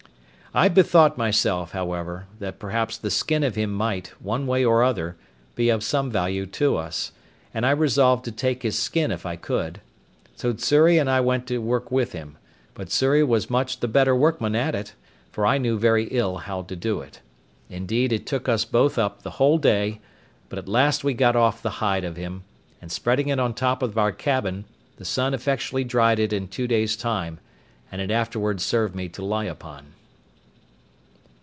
I bethought myself, however, that, perhaps the skin of him might, one way or other, be of some value to us; and I resolved to take off his skin if I could. So Xury and I went to work with him; but Xury was much the better workman at it, for I knew very ill how to do it. Indeed, it took us both up the whole day, but at last we got off the hide of him, and spreading it on the top of our cabin, the sun effectually dried it in two days' time, and it afterwards served me to lie upon.